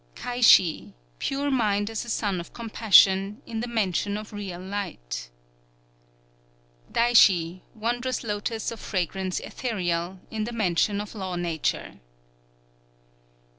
_ Kaishi, Pure Mind as a Sun of Compassion, in the Mansion of Real Light. _Daishi, Wondrous Lotos of Fragrance Etherial, in the Mansion of Law Nature.